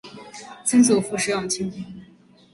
曾祖父石永清。